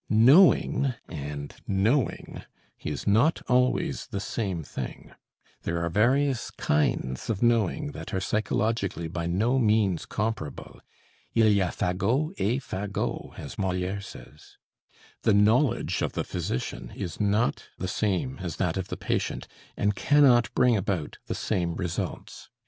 Knowing and knowing is not always the same thing; there are various kinds of knowing that are psychologically by no means comparable. "Il y a fagots et fagots," as Molière says. The knowledge of the physician is not the same as that of the patient and cannot bring about the same results.